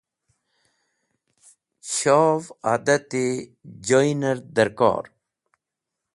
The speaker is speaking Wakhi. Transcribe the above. Shov adati joynẽr dẽrkor.